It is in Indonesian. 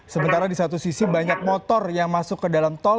sementara di satu sisi banyak motor yang masuk ke dalam tol